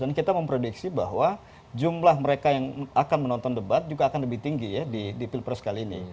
dan kita memprediksi bahwa jumlah mereka yang akan menonton debat juga akan lebih tinggi ya di pilpres kali ini